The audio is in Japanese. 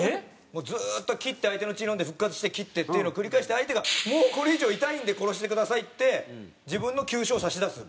もうずーっと切って相手の血飲んで復活して切ってっていうのを繰り返して相手が「もうこれ以上は痛いんで殺してください」って自分の急所を差し出す。